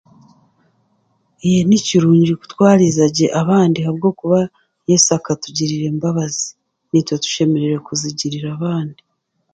eee, nikirungi kutwarizagye abandi ahabwokuba Yesu akatugirira embabazi, naitwe tushemereire kuzigirira abandi.